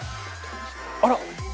あら！